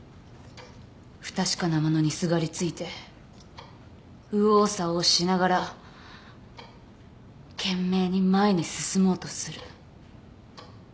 不確かなものにすがりついて右往左往しながら懸命に前に進もうとする。